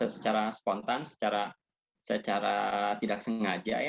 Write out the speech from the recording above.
secara spontan secara tidak sengaja